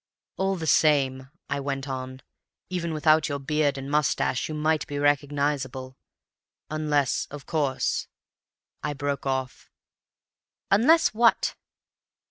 "'All the same,' I went on, 'even without your beard and moustache you might be recognizable. Unless, of course—' I broke off. "'Unless what?